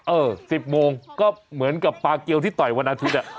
เออ๑๐โมงก็เหมือนกับปาเกียวที่ต่อยวันอาทิตย์